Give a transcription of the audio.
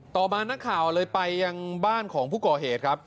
ต่อมานักข่าวเลยไปยังบ้านของผู้ก่อเหตุครับ